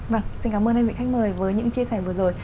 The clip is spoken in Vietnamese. vâng xin cảm ơn hai vị khách mời với những chia sẻ vừa rồi